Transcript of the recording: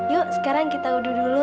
yuk sekarang kita udah dulu